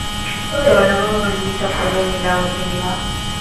utawala wao Waliita koloni lao Uhindi wa